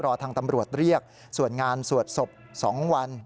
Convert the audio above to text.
ทางตำรวจเรียกส่วนงานสวดศพ๒วัน